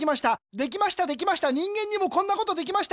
できましたできました人間にもこんなことできました。